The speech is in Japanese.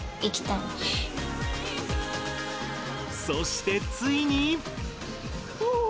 そしてついに。